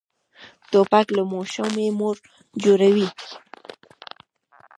توپک له ماشومې مور جوړوي.